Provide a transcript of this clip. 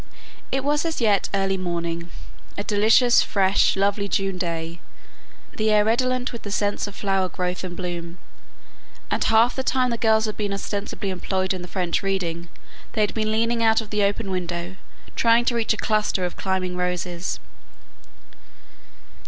It was as yet early morning; a delicious, fresh, lovely June day, the air redolent with the scents of flower growth and bloom; and half the time the girls had been ostensibly employed in the French reading they had been leaning out of the open window trying to reach a cluster of climbing roses.